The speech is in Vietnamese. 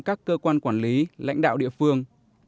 các cơ quan quản lý lãnh đạo địa phương